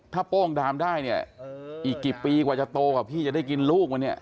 ถ้าโป้งดามได้เนี่ยอีกกี่ปีกว่าจะโตกว่าพี่จะได้กินลูกมันเนี่ย